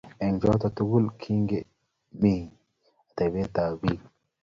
Eng' choto tukul king'em ateptab piik